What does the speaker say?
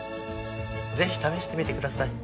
ぜひ試してみてください。